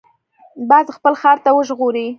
باز خپل ښکار تل وژغوري